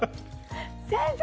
先生